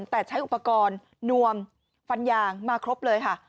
แต่ใช้อุปกรณ์นวมฟันยางมาครบเลยค่ะ